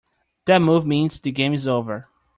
That move means the game is over.